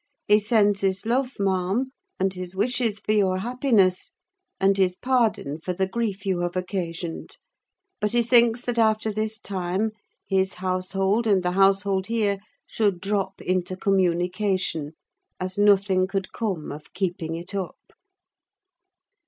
He sends his love, ma'am, and his wishes for your happiness, and his pardon for the grief you have occasioned; but he thinks that after this time his household and the household here should drop intercommunication, as nothing could come of keeping it up."